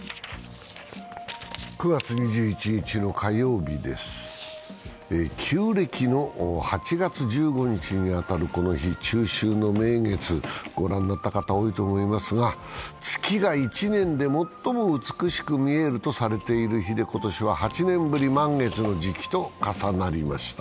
９月２１日の火曜日です、旧暦の８月１５日に当たるこの日、中秋の名月、御覧になった方多いと思いますが、月が一年で最も美しく見えるとされている日で、今年は８年ぶりに満月の時期と重なりました。